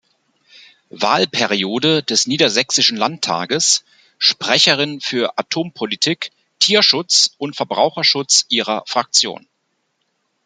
Wahlperiode des Niedersächsischen Landtages Sprecherin für Atompolitik, Tierschutz und Verbraucherschutz ihrer Fraktion.